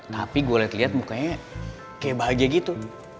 tapi gue liat liat mukanya kayak bahagia gitu